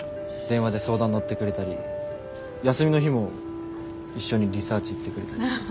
電話で相談乗ってくれたり休みの日も一緒にリサーチ行ってくれたり。